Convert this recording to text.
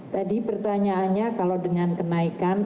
tadi pertanyaannya kalau dengan kenaikan